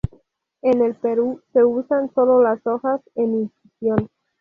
En el Perú se usan solo las hojas en infusión.